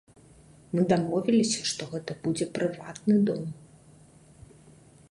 Мы дамовіліся, што гэта будзе прыватны дом.